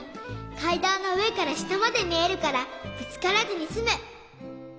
かいだんのうえからしたまでみえるからぶつからずにすむ。